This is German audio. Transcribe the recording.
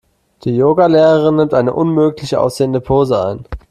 Die Yoga-Lehrerin nimmt eine unmöglich aussehende Pose ein.